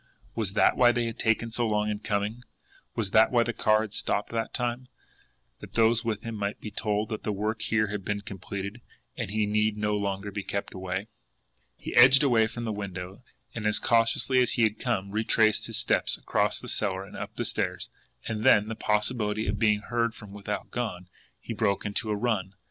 Was that why they had taken so long in coming? Was that why the car had stopped that time that those with him might be told that the work here had been completed, and he need no longer be kept away? He edged away from the window, and, as cautiously as he had come, retraced his steps across the cellar and up the stairs and then, the possibility of being heard from without gone, he broke into a run.